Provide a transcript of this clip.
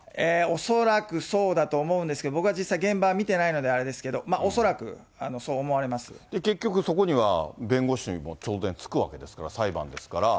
恐らくそうだと思うんですけれども、僕は実際に現場見てないので、あれですけど、恐らくそう思われま結局、そこには弁護士も当然つくわけですから、裁判ですから。